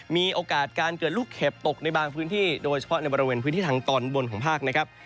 มีโอกาสการเกิดลูกเห็บตกในบางพื้นที่โดยเฉพาะในบริเวณพื้นที่ทางตอนบนของภาคนะครับ